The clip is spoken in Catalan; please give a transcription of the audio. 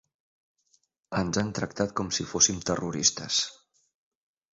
Ens han tractat com si fóssim terroristes.